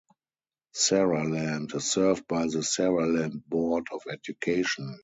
Saraland is served by the Saraland Board of Education.